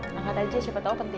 angkat aja siapa tau ke mana